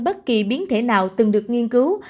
bất kỳ biến thể nào từng được nghiên cứu